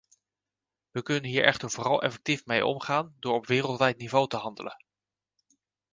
We kunnen hier echter vooral effectief mee omgaan door op wereldwijd niveau te handelen.